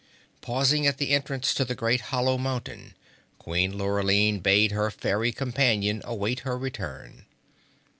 Pausing at the entrance to the great hollow mountain Queen Lurline bade her fairy companion await her return.